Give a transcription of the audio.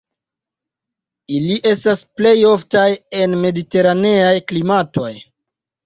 Ili estas plej oftaj en mediteraneaj klimatoj.